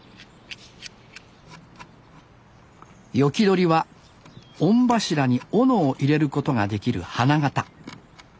斧取りは御柱に斧を入れることができる花形。